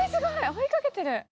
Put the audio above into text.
追いかけてる。